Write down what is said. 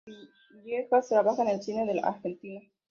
Villegas trabaja en el cine de la Argentina.